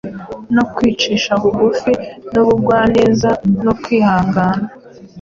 no kwicisha bugufi n’ubugwa neza no kwihangana,